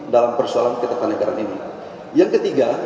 dalam persoalan ketetapan negara ini